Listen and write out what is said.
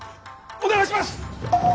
お願いします！